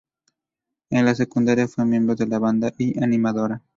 En la secundaria fue miembro de la banda y animadora.